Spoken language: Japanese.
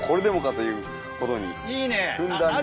いうほどにふんだんに。